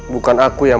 bukan aku yang